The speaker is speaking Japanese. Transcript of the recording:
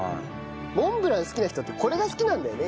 モンブラン好きな人ってこれが好きなんだよね？